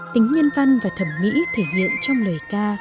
tính nhân văn và thẩm mỹ thể hiện trong lời ca